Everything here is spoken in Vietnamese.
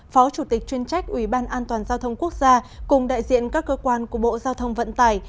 phó chủ tịch chuyên trách ủy ban an toàn giao thông quốc gia cùng đại diện các cơ quan của bộ giao thông vận tải